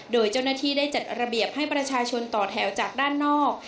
โดยเจ้าหน้าที่ได้จัดระเบียบให้ประชาชนต่อแถวจากด้านนอก